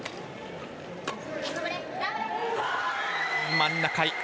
真ん中。